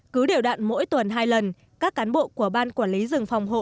cứu điều đạn mỗi tuần hai lần các cán bộ của ban quản lý rừng phòng hộ